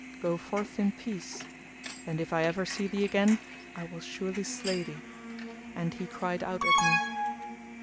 Go forth in peace; and if I ever see thee again I will surely slay thee." And he cried out at me.